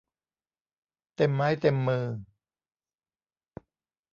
เต็มไม้เต็มมือ